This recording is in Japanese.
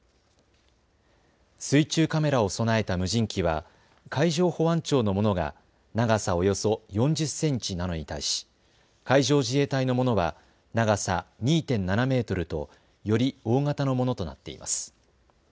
水中カメラを備えた無人機は海上保安庁のものが長さおよそ４０センチなのに対し海上自衛隊のものは長さ２．７メートルとより大型のものとなっています。